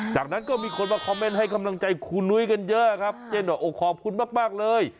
จากนั้นก็มีคนมาคอมเมนต์ให้กำลังใจครูนุ้ยกันเยอะครับเจนบอกโอ้ขอบคุณมากเลย